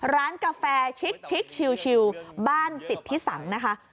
ร้านกาแฟชิกชิลบ้านสิทธิสังนะคะ